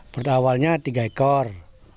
pertama awalnya tiga ekor